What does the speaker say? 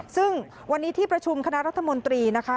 ซึ่งวันนี้ที่ประชุมคณะรัฐมนตรีนะคะ